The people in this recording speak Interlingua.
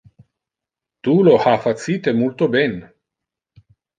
Tu lo ha facite multo ben.